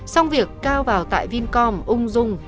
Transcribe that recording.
xong việc cao vào tại vinh con ung dung